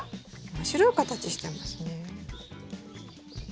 面白い形してますね。